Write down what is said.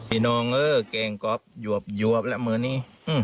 อี้นองเออกงก๊อบยวบละเมาะนี่